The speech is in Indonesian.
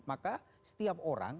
maka setiap orang